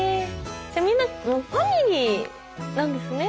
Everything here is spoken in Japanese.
みんなファミリーなんですね。